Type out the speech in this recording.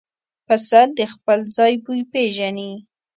پسه د خپل ځای بوی پېژني.